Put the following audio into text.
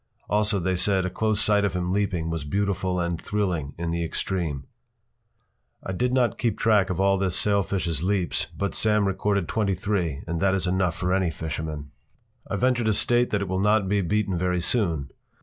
Also they said a close sight of him leaping was beautiful and thrilling in the extreme. I did not keep track of all this sailfish’s leaps, but Sam recorded twenty three, and that is enough for any fisherman. I venture to state that it will not be beaten very soon.